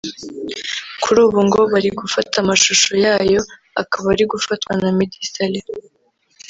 kuri ubu ngo bari gufata amashusho yayo akaba ari gufatwa na Meddy Saleh